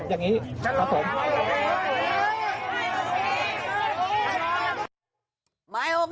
ทั้งนี้ครับผม